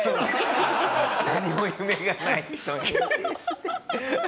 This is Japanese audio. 「何も夢がない」。